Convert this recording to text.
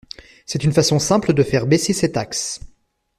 C’est une façon simple de faire baisser ses taxes.